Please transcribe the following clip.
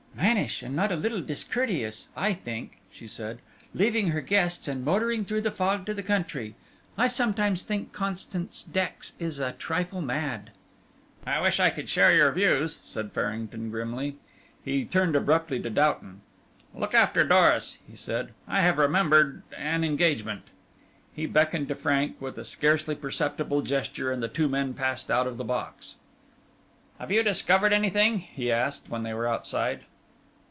"Mannish, and not a little discourteous I think," she said, "leaving her guests and motoring through the fog to the country. I sometimes think Constance Dex is a trifle mad." "I wish I could share your views," said Farrington, grimly. He turned abruptly to Doughton. "Look after Doris," he said. "I have remembered an engagement." He beckoned Frank, with a scarcely perceptible gesture, and the two men passed out of the box. "Have you discovered anything?" he asked, when they were outside.